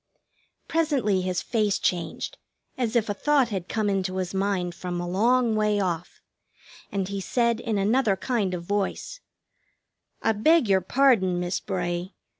Presently his face changed, as if a thought had come into his mind from a long way off, and he said, in another kind of voice: "I beg your pardon, Miss Bray.